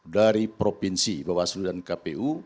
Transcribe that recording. dari provinsi bawah seluruh dan kpu